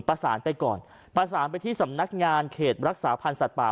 ประสานไปก่อนประสานไปที่สำนักงานเขตรักษาพันธ์สัตว์ป่า